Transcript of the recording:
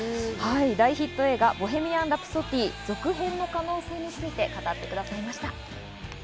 大ヒット映画『ボヘミアン・ラプソディ』続編の可能性について語ってくれました。